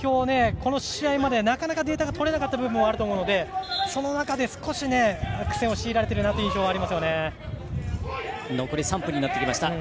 この試合までなかなかデータが取れなかった部分があると思うのでその中で少し苦戦を強いられている印象がありますね。